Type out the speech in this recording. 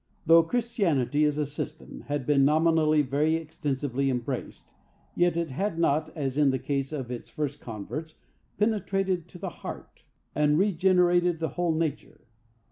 Though Christianity, as a system, had been nominally very extensively embraced, yet it had not, as in the case of its first converts, penetrated to the heart, and regenerated the whole nature.